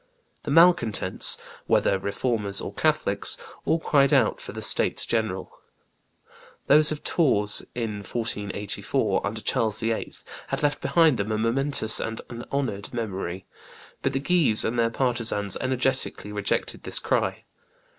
The malcontents, whether Reformers or Catholics, all cried out for the states general. Those of Tours, in 1484, under Charles VIII., had left behind them a momentous and an honored memory. But the Guises and their partisans energetically rejected this cry.